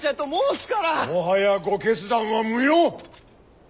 もはやご決断は無用！